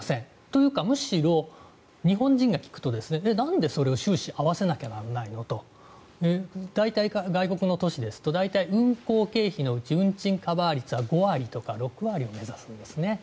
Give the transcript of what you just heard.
というかむしろ日本人が聞くとなんでそれを収支合わせなきゃならないの？と大体、外国の都市ですと運行経費のうち運賃カバー率は５割とか６割を目指すんですね。